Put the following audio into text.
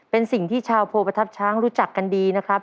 เป็นสิ่งที่ชาวโพประทับช้างรู้จักกันดีนะครับ